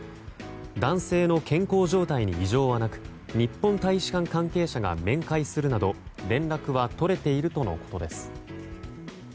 男性の健康状態に異常はなく日本大使館関係者が面会するなど連絡は取れているとのことです。